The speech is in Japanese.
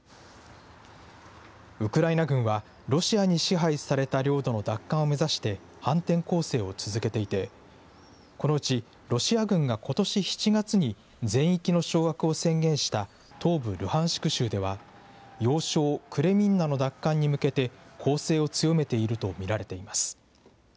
ウクライナ軍はロシアに支配された領土の奪還を目指して、反転攻勢を続けていて、このうち、ロシア軍がことし７月に全域の掌握を宣言した東部ルハンシク州では、要衝クレミンナの奪還に向けて、攻勢を強めていると見られています。